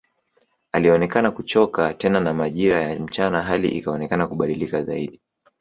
Alionekana kuchoka tena na majira ya mchana hali ikaonekana kubadilika zaidi